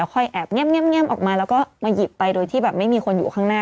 ค่อยแอบแง่มออกมาแล้วก็มาหยิบไปโดยที่แบบไม่มีคนอยู่ข้างหน้า